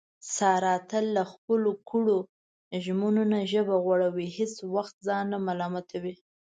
ساره تل له خپلو کړو ژمنو نه ژبه غړوي، هېڅ وخت ځان نه ملامتوي.